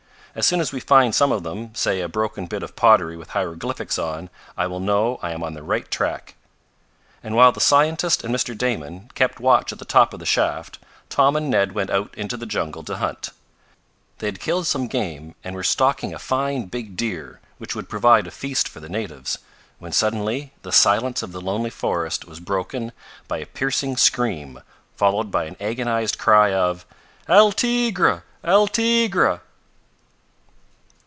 As soon as we find some of them say a broken bit of pottery with hieroglyphics on I will know I am on the right track." And while the scientist and Mr. Damon kept watch at the top of the shaft, Tom and Ned went out into the jungle to hunt. They had killed some game, and were stalking a fine big deer, which would provide a feast for the natives, when suddenly the silence of the lonely forest was broken by a piercing scream, followed by an agonized cry of "El tigre! El tigre!"